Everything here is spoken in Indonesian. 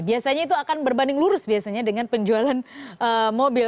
biasanya itu akan berbanding lurus biasanya dengan penjualan mobil